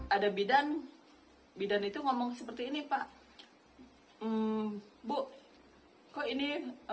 ada bidan bidan itu ngomong seperti ini pak bu kok ini